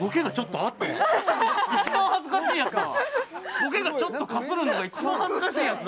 ボケがちょっとかするのが一番恥ずかしいやつだ